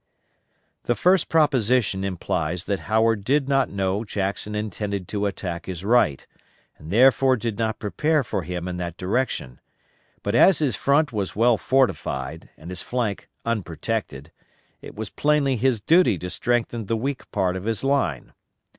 The first proposition implies that Howard did not know Jackson intended to attack his right, and therefore did not prepare for him in that direction, but as his front was well fortified, and his flank unprotected, it was plainly his duty to strengthen the weak part of his line.